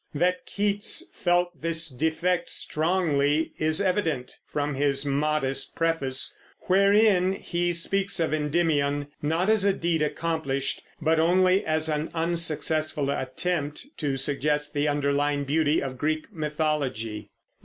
That Keats felt this defect strongly is evident from his modest preface, wherein he speaks of Endymion, not as a deed accomplished, but only as an unsuccessful attempt to suggest the underlying beauty of Greek mythology.